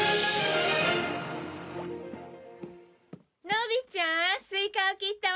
のびちゃんスイカを切ったわよ。